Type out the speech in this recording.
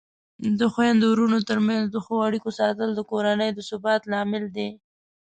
د خویندو ورونو ترمنځ د ښو اړیکو ساتل د کورنۍ د ثبات لامل دی.